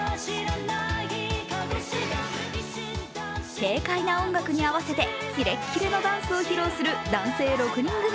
軽快な音楽に合わせてキレッキレのダンスを披露する男性６人組。